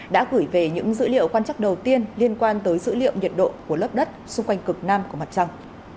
đã gửi về những dữ liệu quan chắc đầu tiên liên quan tới dữ liệu nhiệt độ của lớp đất xung quanh cực nam của mặt trăng